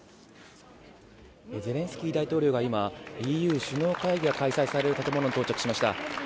ゼレンスキー大統領が今、ＥＵ首脳会議が開催される建物に到着しました。